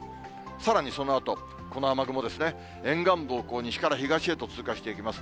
さらにそのあと、この雨雲、沿岸部を西から東へと通過していきます。